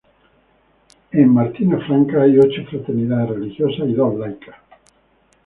En Martina Franca hay ocho fraternidades religiosas y dos laicas.